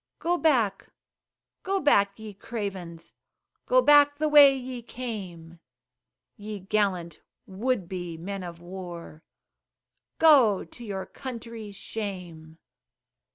Go back, go back ye cravens, Go back the way ye came; Ye gallant, would be, men of war, Go! to your country's shame.